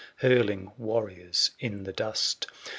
Hurling warriors in the dust.